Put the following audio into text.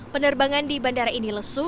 penerbangan di bandara ini lesu